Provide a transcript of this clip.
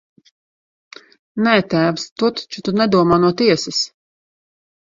Nē, tēvs, to taču tu nedomā no tiesas!